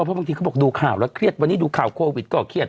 เพราะบางทีเขาบอกดูข่าวแล้วเครียดวันนี้ดูข่าวโควิดก็เครียด